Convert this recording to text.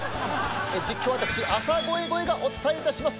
実況は私浅越ゴエがお伝えいたします。